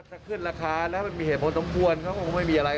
จะขึ้นราคาแล้วมันมีเหตุผลต้องกวนมันก็ไม่มีอะไร